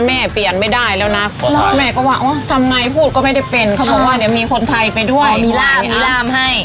เปลี่ยนไม่ได้แล้วนะแม่ก็ว่าอ๋อทำไงพูดก็ไม่ได้เป็นเขาบอกว่าเดี๋ยวมีคนไทยไปด้วยมีร่ามมีร่ามให้